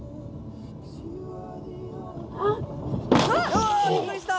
うわびっくりした！